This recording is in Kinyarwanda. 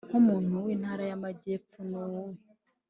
nkumuntu wintara yamajyepfo ni uwuhe